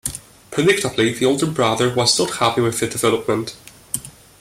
Predictably, the older brother was not happy with the development.